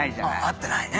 会ってないね。